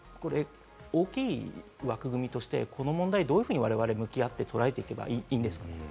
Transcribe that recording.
大きい枠組みとしてこの問題をどう我々は向き合って、捉えていけばいいんですかね？